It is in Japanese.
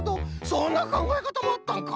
そんなかんがえかたもあったんか。